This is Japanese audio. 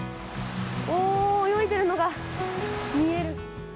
泳いでいるのが見える。